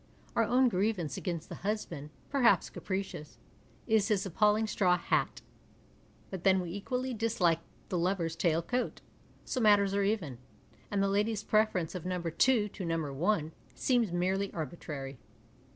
Our own grievance against the husband, perhaps capricious, is his appalling straw hat — but then we equally dislike the lover's tail coat, so matters are even, and the lady's preference of No. 2 to No. 1 seems merely arbitrary.